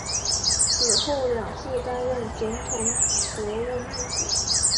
此后两次担任总统府国务秘书。